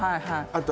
あと